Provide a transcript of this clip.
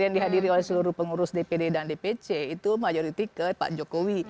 yang dihadiri oleh seluruh pengurus dpd dan dpc itu mayoriti ke pak jokowi